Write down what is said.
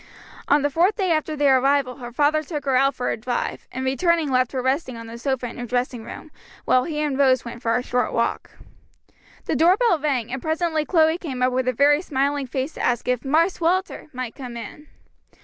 On the fourth day after their arrival her father took her out for a drive, and returning left her resting on the sofa in her dressing room, while he and Rose went for a short walk. The door bell rang, and presently Chloe came up with a very smiling face to ask if "Marse Walter" might come in.